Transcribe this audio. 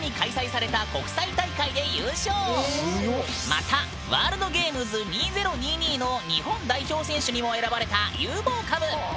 またワールドゲームズ２０２２の日本代表選手にも選ばれた有望株！